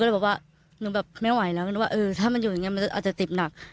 รู้ไม่ว่าถ้ามันอยู่อยู่งี้จะมีอาจจะติดหนัก